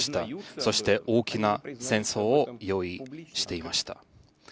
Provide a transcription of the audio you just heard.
そして、大きな戦争を用意していました。